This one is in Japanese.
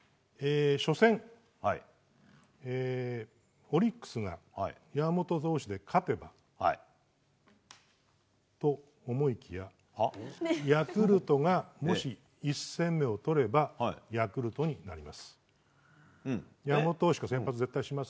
初戦、オリックスが山本投手で勝つ。と思いきやヤクルトがもし１戦目をとればヤクルトが王です。